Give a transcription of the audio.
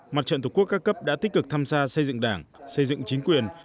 mặt trận tổ quốc các cấp đã tích cực tham gia xây dựng đảng xây dựng chính quyền